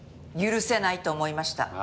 許せないと思いました。